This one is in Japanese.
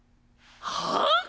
はあ